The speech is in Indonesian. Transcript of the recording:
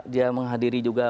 dia menghadiri juga